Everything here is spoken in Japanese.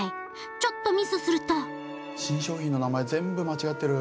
ちょっとミスすると新商品の名前全部間違ってる。